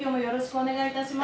おねがいいたします。